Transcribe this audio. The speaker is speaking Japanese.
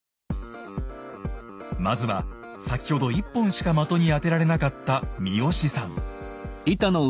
まずは先ほど１本しか的に当てられなかった三好さん。